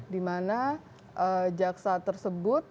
di mana jaksa tersebut